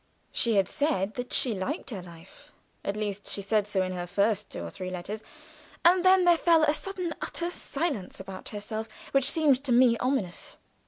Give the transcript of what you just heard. She had said that she liked her life at least she said so in her first two or three letters, and then there fell a sudden utter silence about herself, which seemed to me ominous.